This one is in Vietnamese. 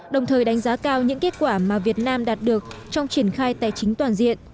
đồng thời đánh giá cao những kết quả mà việt nam đạt được trong triển khai tài chính toàn diện